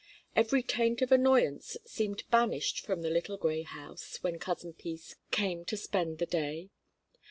Every taint of annoyance seemed banished from the little grey house when Cousin Peace came to spend the day.